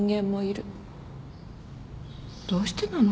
どうしてなの？